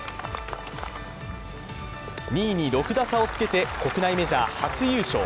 ２位に６打差をつけて、国内メジャー初優勝。